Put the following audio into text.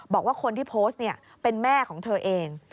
บอกว่าคนที่โพสต์เป็นแม่ของเธอเอง